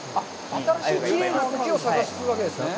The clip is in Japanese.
新しい、きれいなコケを探すわけですね？